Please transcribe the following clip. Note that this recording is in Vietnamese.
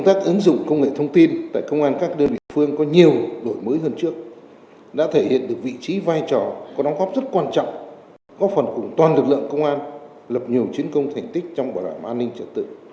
thị trí vai trò có đóng góp rất quan trọng góp phần cùng toàn lực lượng công an lập nhiều chiến công thành tích trong bảo đảm an ninh trật tự